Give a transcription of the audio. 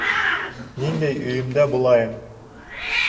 — Ниндәй өйөмдә булайым.